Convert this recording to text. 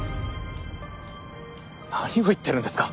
何を言ってるんですか。